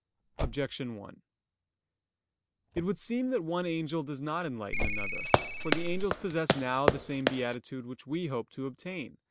Objection 1: It would seem that one angel does not enlighten another. For the angels possess now the same beatitude which we hope to obtain.